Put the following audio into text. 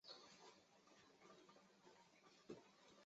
永历九年去世。